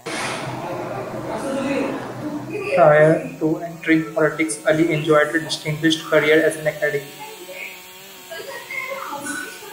Prior to entering politics, Ali enjoyed a distinguished career as an academic.